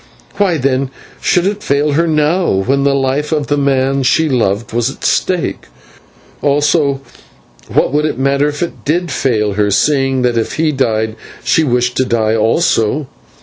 Why, then, should it fail her now when the life of the man she loved was at stake? And what would it matter if it did fail her, seeing that if he died she wished to die also?